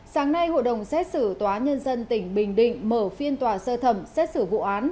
sáng nay hội đồng xét xử tòa nhân dân tỉnh bình định mở phiên tòa sơ thẩm xét xử vụ án